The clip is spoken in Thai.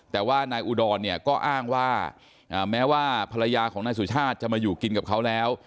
แต่ว่านายอุดรเนี่ยก็อ้างว่าแม้ว่าภรรยาของนายสุชาติจะมาอยู่กินกับเขาแล้ว